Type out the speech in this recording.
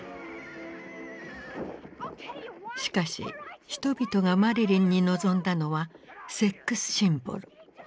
しかし人々がマリリンに望んだのはセックス・シンボル。